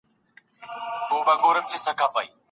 هر غلام او هر مریی ورته بادار سي